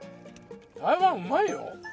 台湾うまいよ！